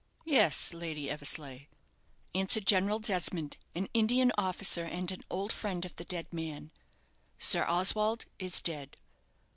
"Yes, Lady Eversleigh," answered General Desmond, an Indian officer, and an old friend of the dead man, "Sir Oswald is dead."